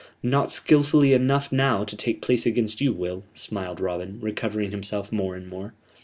"Not skilfully enough now to take place against you, Will," smiled Robin, recovering himself more and more.